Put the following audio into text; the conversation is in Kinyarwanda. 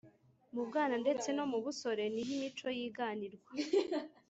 Mu bwana ndetse no mu busore niho imico yiganirwa.